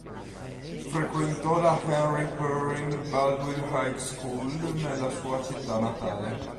Frequentò la Henry Perrine Baldwin High School nella sua città natale.